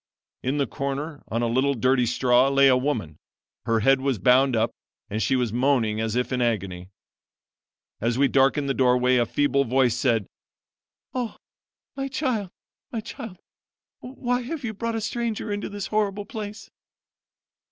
In the corner on a little dirty straw lay a woman. Her head was bound up, and she was moaning as if in agony. As we darkened the doorway a feeble voice said: 'Oh, my child! my child! why have you brought a stranger into this horrible place?'